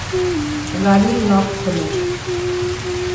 গাড়ির লক খোলো।